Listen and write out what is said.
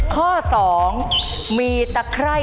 ข้อ๒มีตะคร่าว